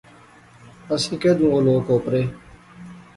آنسیں کیدوں او لوک اوپرے